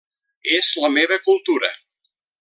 És la meva cultura.